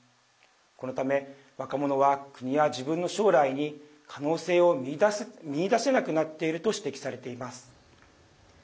このため若者は国や自分の将来に可能性を見いだせなくなっていると指摘されています。